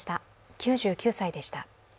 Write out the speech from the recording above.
９９歳でした。